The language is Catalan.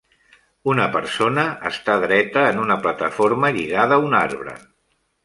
Una persona està dreta en una plataforma lligada a un arbre.